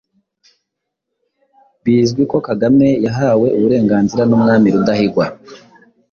Bizwi ko Kagame yahawe uburenganzira n’umwami Rudahigwa,